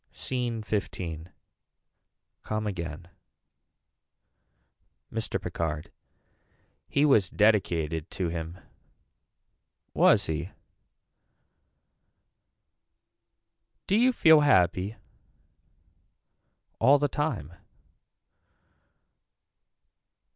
SCENE XV. Come again. Mr. Picard. He was dedicated to him. Was he. Do you feel happy. All the time.